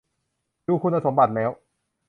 ดูคุณสมบัติแล้ว